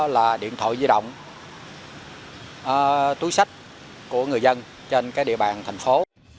là điện thoại di động túi sách của người dân trên địa bàn thành phố